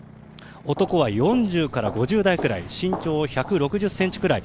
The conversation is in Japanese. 男は４０から５０代くらい身長１６０ｃｍくらい。